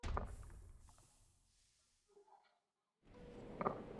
ছবির পরিচালক নূরুল আলম আতিক জানালেন, প্রথম দিনই হয়েছে দুটি দৃশ্যের শুটিং।